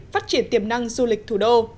phát triển tiềm năng du lịch thủ đô